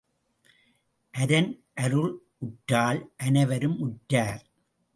அரன் அருள் உற்றால் அனைவரும் உற்றார்.